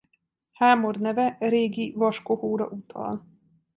Hámor neve régi vaskohóra utal.